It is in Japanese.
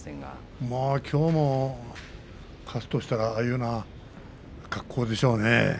きょうも勝つとしたらああいう格好でしょうね。